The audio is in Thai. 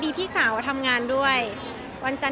ก็ไปนนั้นแล้วนะครับ